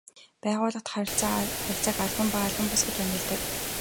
Байгууллага дахь харилцааг албан ба албан бус гэж ангилдаг.